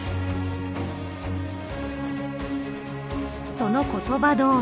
その言葉どおり。